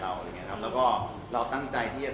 และก็เราตั้งใจที่จะ